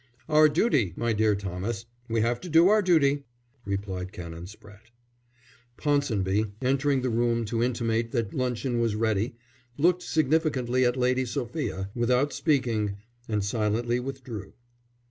"Our duty, my dear Thomas, we have to do our duty," replied Canon Spratte. Ponsonby, entering the room to intimate that luncheon was ready, looked significantly at Lady Sophia, without speaking, and silently withdrew.